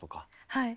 はい。